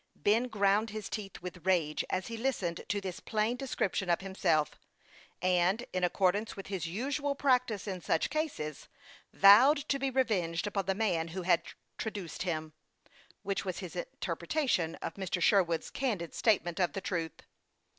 Ben ground his teeth with rage, as he listened to this plain description of himself, and, in accord ance with his usual practice in such cases, vowed THE YOUNG PILOT OF LAKE CHAMPLAIN. 269 to be revenged upon the man who had traduced him, which was his interpretation of Mr. Sherwood's candid statement of the truth.